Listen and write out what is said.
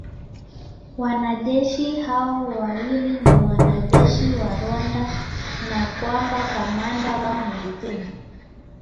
wanajeshi hao wawili ni wanajeshi wa Rwanda na kwamba kamanda wao ni Luteni